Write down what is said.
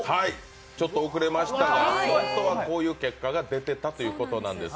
ちょっと遅れましたが、本当はこういう結果が出てたということです。